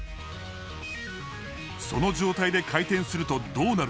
その状態で回転するとどうなるか。